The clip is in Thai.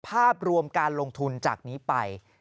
ภาพรวมการลงทุนจากนี้ไป